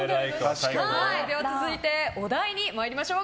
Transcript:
続いて、お題に参りましょう。